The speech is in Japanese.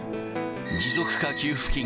持続化給付金